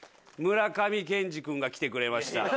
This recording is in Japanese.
村上健志君が来てくれました。